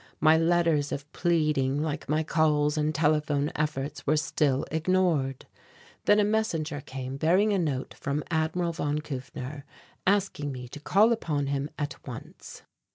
My letters of pleading, like my calls and telephone efforts, were still ignored. Then a messenger came bearing a note from Admiral von Kufner, asking me to call upon him at once.